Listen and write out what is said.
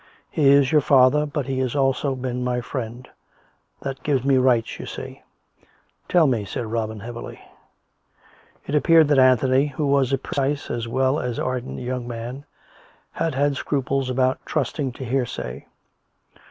He is your father, but he has also been my friend. That gives me rights, you see !"" Tell me," said Robin heavily. It appeared that Anthony, who was a precise as well as an ardent young man, had had scruples about trusting to hearsay.